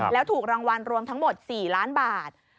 แล้วถูกรางวัลรวมทั้งหมด๔ล้านบาท